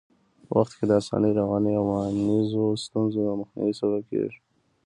وخت کي د اسانۍ، روانۍ او مانیزو ستونزو د مخنیوي سبب کېږي.